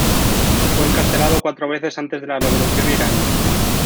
Fue encarcelado cuatro veces antes de la Revolución iraní.